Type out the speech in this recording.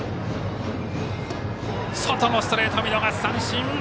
外のストレート見逃し三振！